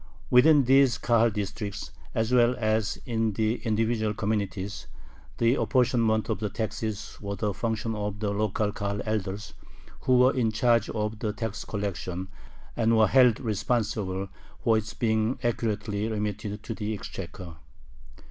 Within these Kahal districts as well as in the individual communities the apportionment of the taxes was the function of the local Kahal elders, who were in charge of the tax collection, and were held responsible for its being accurately remitted to the exchequer.